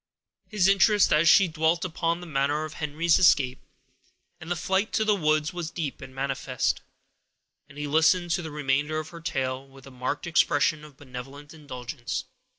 His interest, as she dwelt upon the manner of Henry's escape, and the flight to the woods, was deep and manifest, and he listened to the remainder of her tale with a marked expression of benevolent indulgence.